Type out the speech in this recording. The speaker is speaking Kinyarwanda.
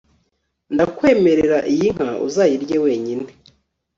ndakwemerera, iyi nka uzayirye wenyine